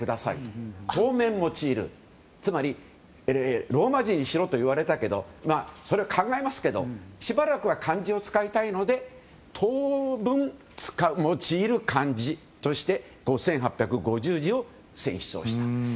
つまり、ローマ字にしろと言われたけど考えますけどしばらくは漢字を使いたいので当分用いる漢字として１８５０字を選出したと。